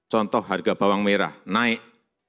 contoh harga bawang merah naik